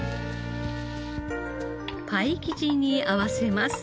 パイ生地に合わせます。